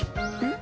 ん？